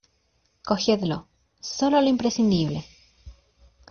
cogedlo ; solo lo imprescindible.